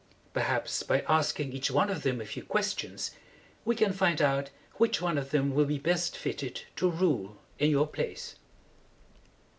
Perhaps, by asking each one of them a few ques tions, we can find out which one of them will be best fitted to rule in your place."